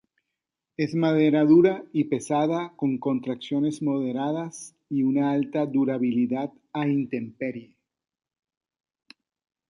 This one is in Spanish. Es madera dura y pesada con contracciones moderadas y una alta durabilidad a intemperie.